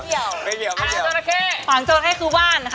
หวางโจ๊ดให้คู่บ้านค่ะ